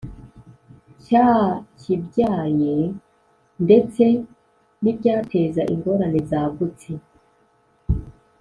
Cyakibyaye ndetse n ibyateza ingorane zagutse